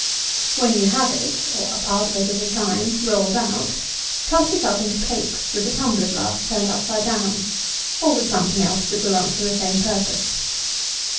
When you have it (or a part of it at a time) rolled out, cut it up into cakes with a tumbler glass turned upside down, or with something else that will answer the same purpose.